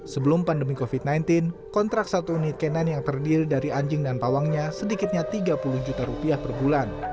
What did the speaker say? sebelum pandemi covid sembilan belas kontrak satu unit k sembilan yang terdiri dari anjing dan pawangnya sedikitnya tiga puluh juta rupiah per bulan